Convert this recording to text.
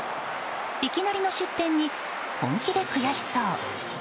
いきなりの失点に本気で悔しそう。